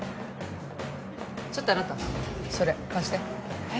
ちょっとあなたそれ貸してえっ？